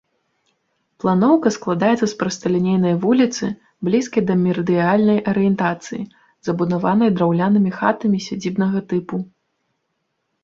Планоўка складаецца з прасталінейнай вуліцы, блізкай да мерыдыянальнай арыентацыі, забудаванай драўлянымі хатамі сядзібнага тыпу.